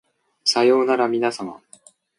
さようならみなさま